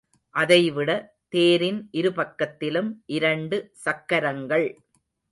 அதை விட தேரின் இருபக்கத்திலும் இரண்டு சக்கரங்கள்.